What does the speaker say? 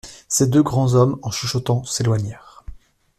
Ces deux grands hommes en chuchotant s'éloignèrent.